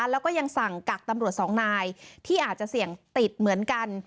แล้วก็ยังสั่งกักตำรวจสองนายที่อาจจะเสี่ยงติดเหมือนกัน